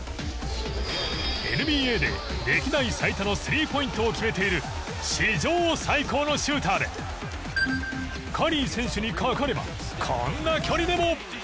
ＮＢＡで歴代最多のスリーポイントを決めている史上最高のシューターでカリー選手にかかればこんな距離でも。